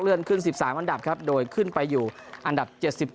ขึ้น๑๓อันดับครับโดยขึ้นไปอยู่อันดับ๗๗